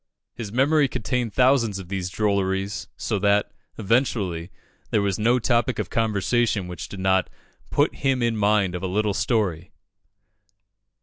His memory contained thousands of these drolleries; so that, eventually, there was no topic of conversation which did not "put him in mind of a little story."